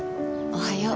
おはよう。